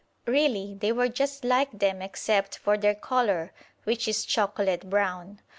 Really, they were just like them except for their colour, which is chocolate brown.